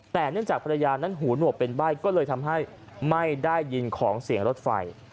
แต่เนื่องจากภรรยานั้นหูหนวกเป็นใบ้ก็เลยทำให้ไม่ได้ยินของเสียงรถไฟ